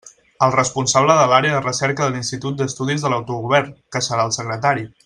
El responsable de l'Àrea de Recerca de l'Institut d'Estudis de l'Autogovern, que serà el secretari.